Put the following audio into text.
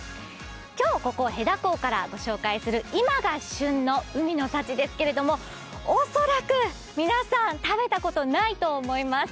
今日ここ戸田港からご紹介する今が旬の海の幸ですけれども、恐らく、皆さん、食べたことないと思います。